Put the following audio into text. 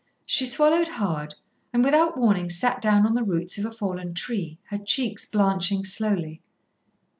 She swallowed hard, and without warning sat down on the roots of a fallen tree, her cheeks blanching slowly.